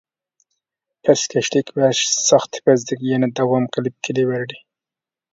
پەسكەشلىك ۋە ساختىپەزلىك يەنە داۋام قىلىپ كېلىۋەردى.